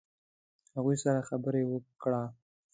هغوی سره خبرې وکړه.